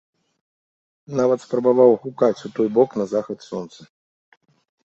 Нават спрабаваў гукаць у той бок на захад сонца.